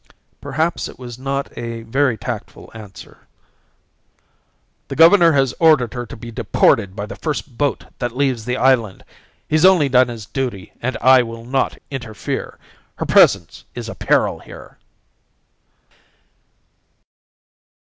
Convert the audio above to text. Perhaps it was not a very tactful answer. "The governor has ordered her to be deported by the first boat that leaves the island. He's only done his duty and I will not interfere. Her presence is a peril here."